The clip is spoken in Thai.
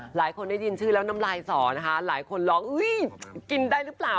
หลายคนได้ยินชื่อแล้วน้ำลายสอนะคะหลายคนร้องอุ้ยกินได้หรือเปล่า